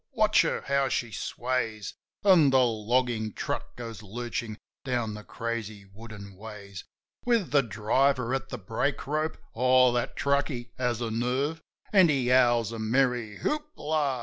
Watch her, how she sways ! An' the loggin' truck goes lurchin' down the crazy wooden ways. With the driver at the brake rope — Oh, that truckie has a nerve I An' he howls a merry "Hoop la